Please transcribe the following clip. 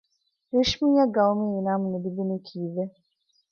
ރިޝްމީއަށް ގައުމީ އިނާމު ނުލިބުނީ ކީއްވެ؟